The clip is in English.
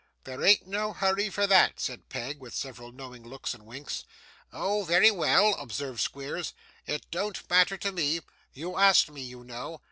'There an't no hurry for that,' said Peg, with several knowing looks and winks. 'Oh! very well!' observed Squeers, 'it don't matter to me; you asked me, you know.